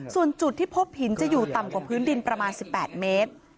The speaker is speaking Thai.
ส่วนจุดที่พบหินจะอยู่ต่ำกว่าพื้นดินประมาณ๑๘เมตร